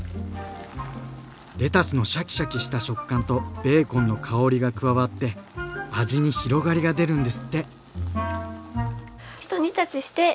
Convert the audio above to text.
レタスのシャキシャキした食感とベーコンの香りが加わって味に広がりが出るんですって。